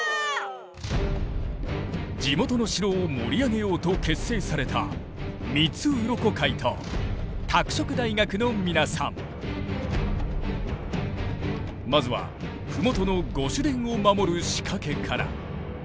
地元の城を盛り上げようと結成されたまずは麓の御主殿を守る仕掛けから。